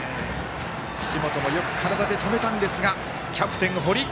岸本もよく体で止めたんですがキャプテン、堀。